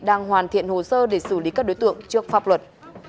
đang hoàn thiện hồ sơ để xử lý các đối tượng trước pháp luật